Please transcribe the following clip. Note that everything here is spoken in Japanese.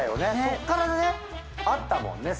そっからねあったもんね